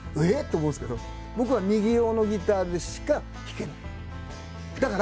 ええ？と思うんすけど僕は右用のギターでしか弾けない。